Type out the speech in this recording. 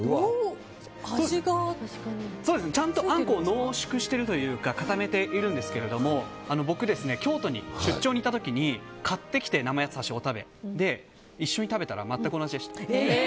ちゃんとあんこを濃縮しているというか固めているんですが僕、京都に出張に行った時生八つ橋、おたべを買ってきて一緒に食べたら全く同じでした。